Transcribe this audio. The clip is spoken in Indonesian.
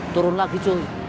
turun lagi cuy